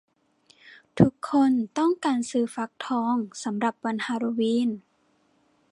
ทุกคนต้องการซื้อฟักทองสำหรับวันฮาโลวีน